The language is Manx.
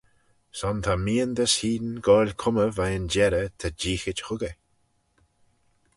Son ta meeandys hene goaill cummey veih'n jerrey ta jeeaghit huggey.